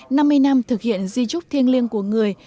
năm mươi năm thực hiện di trúc thiêng liêng của người